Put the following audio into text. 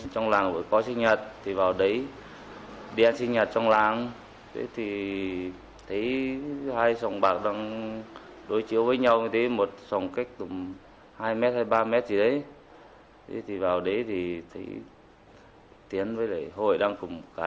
trong làng có sinh nhật thì vào đấy đi ăn sinh nhật trong làng